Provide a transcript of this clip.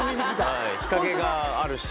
日陰があるし。